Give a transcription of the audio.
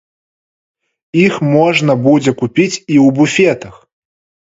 Іх можна будзе купіць і ў буфетах.